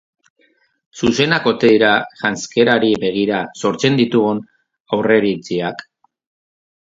Zuzenak ote dira janzkerari begira sortzen ditugun aurreiritziak?